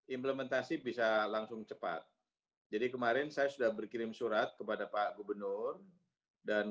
implementasi bisa langsung cepat jadi kemarin saya sudah berkirim surat kepada pak gubernur dan